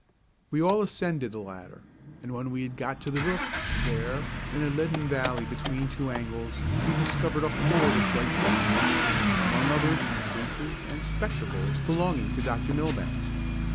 We all ascended the ladder, and when we had got to the roof, there, in a leaden valley between two angles, we discovered a hoard of bright things, among others the cases and spectacles belonging to Dr. Millbank!